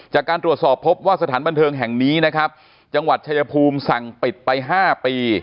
จากการตรวจสอบพบว่าสถานบันเทิงแห่งนี้นะครับจังหวัดชายภูมิสั่งปิดไป๕ปี